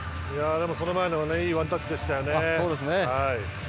その前もいいワンタッチでしたね。